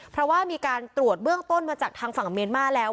เพราะว่ามีการตรวจเบื้องต้นมาจากทางฝั่งเมียนมาแล้ว